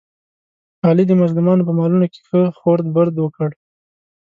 علي د مظلومانو په مالونو کې ښه خورد برد وکړ.